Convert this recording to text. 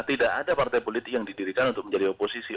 tidak ada partai politik yang didirikan untuk menjadi oposisi